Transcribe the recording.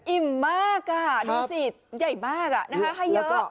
อิ่มมากนับอาสีใหญ่มากให้เยอะ